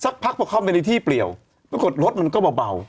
พักพอเข้าไปในที่เปลี่ยวปรากฏรถมันก็เบา